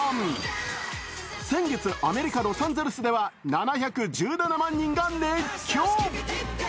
先月、アメリカ・ロサンゼルスでは７１７万人が熱狂。